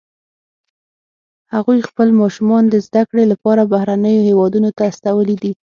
هغوی خپل ماشومان د زده کړې لپاره بهرنیو هیوادونو ته استولي دي